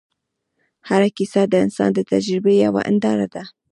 هره کیسه د انسان د تجربې یوه هنداره ده.